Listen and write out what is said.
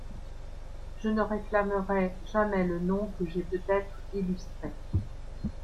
Je ne réclamerai jamais le nom que j’ai peut-être illustré.